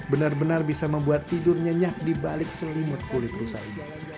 benar benar bisa membuat tidur nyenyak di balik selimut kulit rusa ini